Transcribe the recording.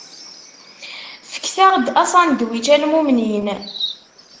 Fket-aɣ-d asandwič a lmumnin!